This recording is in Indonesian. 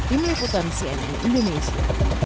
ini ikutan cnn indonesia